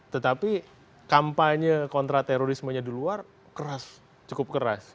tetapi kampanye kontra terorismenya di luar keras cukup keras